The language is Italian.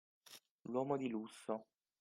L’uomo di lusso.